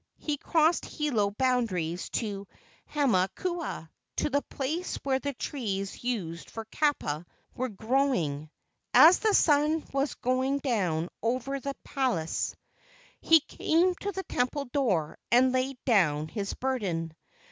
He crossed Hilo boundaries to Hama kua, to the place where the trees used for kapa were growing, as the sun was going down over the palis. He came to the temple door and laid down his burden.